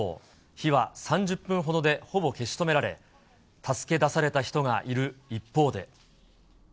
火は３０分ほどでほぼ消し止められ、助け出された人がいる一方で。